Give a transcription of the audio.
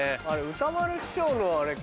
歌丸師匠のあれか。